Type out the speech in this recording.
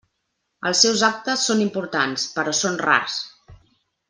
Els seus actes són importants, però són rars.